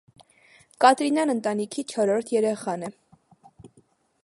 Կատրինան ընտանիքի չորրորդ երեխան է։